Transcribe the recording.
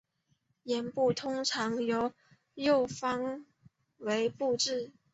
殳部通常从右方为部字。